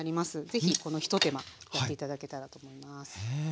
是非この一手間やって頂けたらと思います。